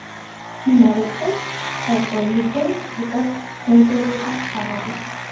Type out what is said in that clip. იმავე წელს გარკვეული დროით იყო ნოვგოროდის თავადი.